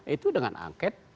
itu dengan anket